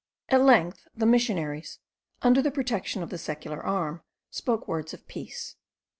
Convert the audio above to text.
At length the missionaries, under the protection of the secular arm, spoke words of peace.